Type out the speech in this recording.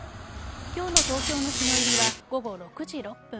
今日の東京の日の入りは午後６時６分。